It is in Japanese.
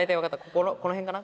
この辺かな？